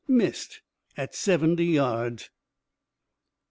"Missed at seventy yard!"